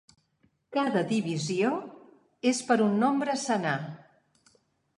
Cada divisió és per un nombre senar.